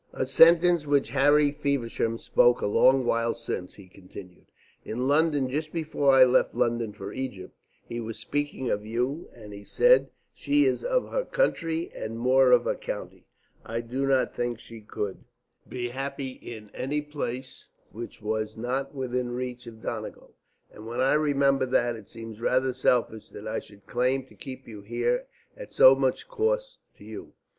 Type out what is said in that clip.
"A sentence which Harry Feversham spoke a long while since," he continued, "in London just before I left London for Egypt. He was speaking of you, and he said: 'She is of her country and more of her county. I do not think she could be happy in any place which was not within reach of Donegal.' And when I remember that, it seems rather selfish that I should claim to keep you here at so much cost to you."